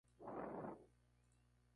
En primer lugar, Freedman et al.